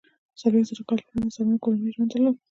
څلویښت زره کاله وړاندې انسانانو کورنی ژوند درلود.